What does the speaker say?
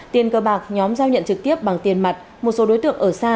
tiền cờ bạc nhóm giao nhận trực tiếp bằng tiền mặt một số đối tượng ở xa